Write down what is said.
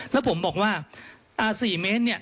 แล้วผมบอกว่า๔เมตรเนี่ย